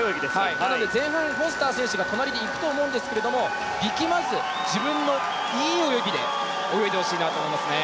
なので、前半、フォスターが隣に行くと思うんですが力まず、自分のいい泳ぎで泳いでほしいと思いますね。